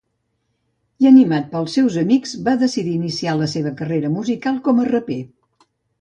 I animat pels seus amics va decidir iniciar la seva carrera musical com a raper.